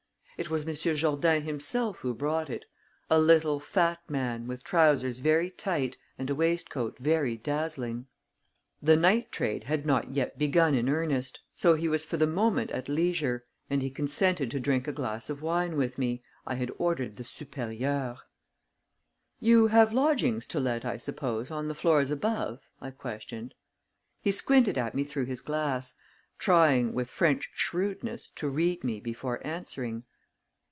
It was Monsieur Jourdain himself who brought it: a little, fat man, with trousers very tight, and a waistcoat very dazzling. The night trade had not yet begun in earnest, so he was for the moment at leisure, and he consented to drink a glass of wine with me I had ordered the "supérieur." "You have lodgings to let, I suppose, on the floors above?" I questioned. He squinted at me through his glass, trying, with French shrewdness, to read me before answering.